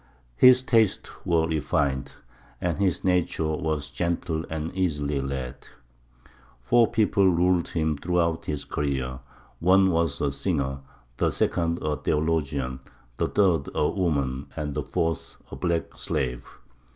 His tastes were refined, and his nature was gentle and easily led. Four people ruled him throughout his career: one was a singer, the second a theologian, the third a woman, and the fourth a black slave.